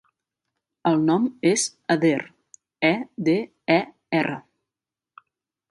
El nom és Eder: e, de, e, erra.